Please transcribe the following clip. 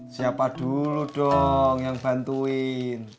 siapa dulu dong yang bantuin